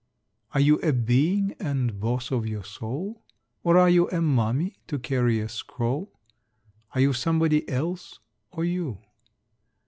Are you a being and boss of your soul? Or are you a mummy to carry a scroll? Are you Somebody Else, or You?